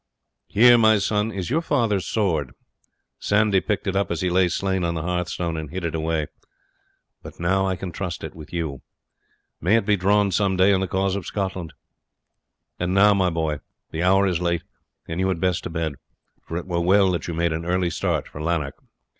Here, my son, is your father's sword. Sandy picked it up as he lay slain on the hearthstone, and hid it away; but now I can trust it with you. May it be drawn some day in the cause of Scotland! And now, my boy, the hour is late, and you had best to bed, for it were well that you made an early start for Lanark."